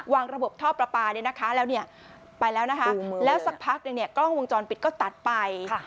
วางระบบท่อปลาปลาแล้วสักพักกล้องวงจรปิดก็ตัดไป